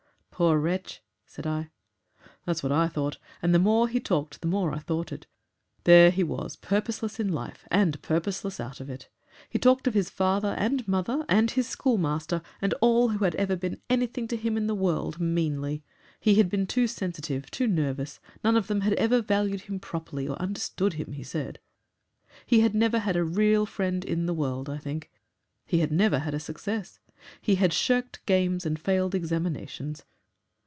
"Poor wretch!" said I. "That's what I thought, and the more he talked the more I thought it. There he was, purposeless in life and purposeless out of it. He talked of his father and mother and his schoolmaster, and all who had ever been anything to him in the world, meanly. He had been too sensitive, too nervous; none of them had ever valued him properly or understood him, he said. He had never had a real friend in the world, I think; he had never had a success. He had shirked games and failed examinations.